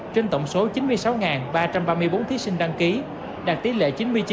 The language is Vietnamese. trên tổng số chín mươi sáu ba trăm ba mươi bốn thí sinh đăng ký đạt tỷ lệ chín mươi chín sáu mươi một